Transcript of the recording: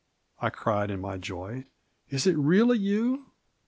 I cried in my joy, " is it really you